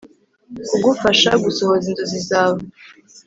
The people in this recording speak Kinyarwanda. kugufasha gusohoza inzozi zawe.